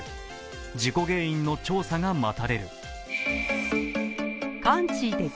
事故原因の調査が待たれる。